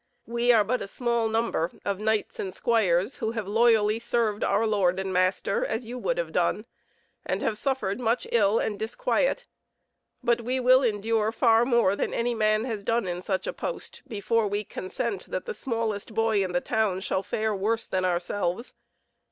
We are but a small number of knights and squires, who have loyally served our lord and master as you would have done, and have suffered much ill and disquiet, but we will endure far more than any man has done in such a post, before we consent that the smallest boy in the town shall fare worse than ourselves.